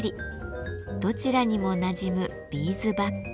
どちらにもなじむビーズバッグ。